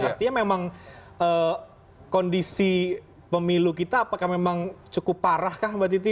artinya memang kondisi pemilu kita apakah memang cukup parah kah mbak titi